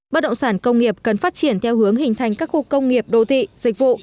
bất động sản công nghiệp cần phát triển theo hướng hình thành các khu công nghiệp đô thị dịch vụ